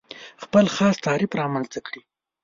خپل خاص تعریف رامنځته کړي.